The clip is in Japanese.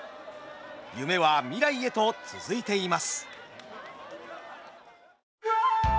夢は未来へと続いています。